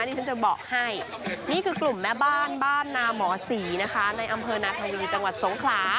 ที่ฉันจะบอกให้นี่คือกลุ่มแม่บ้านบ้านนาหมอศรีนะคะในอำเภอนาธวีจังหวัดสงขลา